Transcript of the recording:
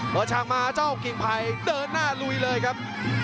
เมื่อช่างมาเจ้ากิ้งไพรเดินหน้าลุยเลยครับ